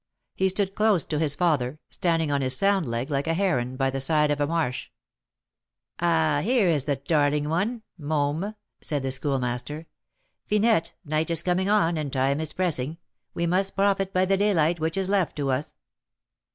He stood close to his father, standing on his sound leg like a heron by the side of a marsh. "Ah, here is the darling one (môme)!" said the Schoolmaster. "Finette, night is coming on, and time is pressing; we must profit by the daylight which is left to us."